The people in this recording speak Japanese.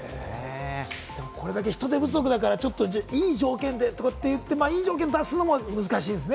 これだけ人手不足だから、いい条件でといって、いい条件を出すのも難しいんですね。